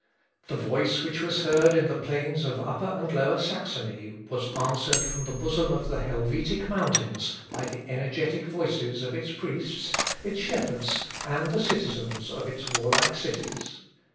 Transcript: The voice which was heard in the plains of Upper and Lower Saxony was answered from the bosom of the Helvetic mountains by the energetic voices of its priests, its shepherds, and the citizens of its warlike cities.